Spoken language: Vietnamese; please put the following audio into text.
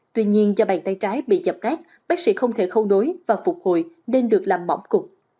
tuy nhiên do bàn tay trái bị dập rác bác sĩ không thể khâu đối và phục hồi nên được làm mỏng cục